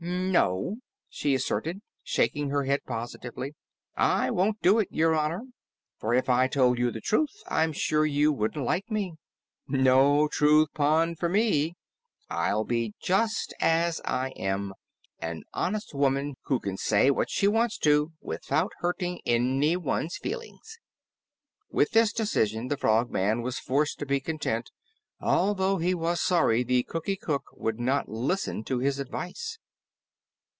"No," she asserted, shaking her head positively, "I won't do it, Your Honor. For if I told you the truth, I'm sure you wouldn't like me. No Truth Pond for me. I'll be just as I am, an honest woman who can say what she wants to without hurting anyone's feelings." With this decision the Frogman was forced to be content, although he was sorry the Cookie Cook would not listen to his advice.